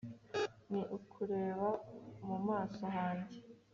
ni ukureba mu maso hanjye